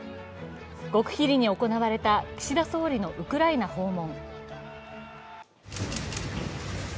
極秘裏に行われた岸田総理のウクライナ訪問。